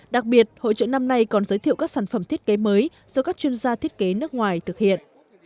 đặc biệt hội trợ năm nay còn giới thiệu các sản phẩm thiết kế mới do các chuyên gia thiết kế nước ngoài thực hiện